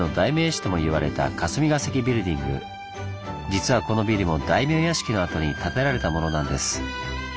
実はこのビルも大名屋敷の跡に建てられたものなんです。